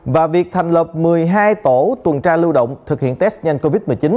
và việc thành lập một mươi hai tổ tuần tra lưu động thực hiện test nhanh covid một mươi chín